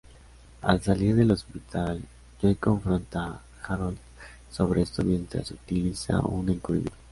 Al salir del hospital, Joy confronta a Harold sobre esto mientras utiliza un encubrimiento.